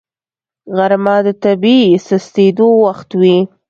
غرمه د طبیعي سستېدو وخت وي